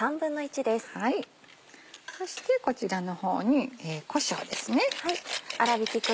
そしてこちらの方にこしょうです。